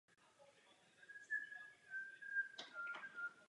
Je považován za jednoho z významných současných umělců.